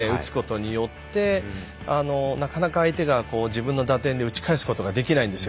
相手の体の近くに打つことによってなかなか相手が自分の打点で打ち返すことができないんです。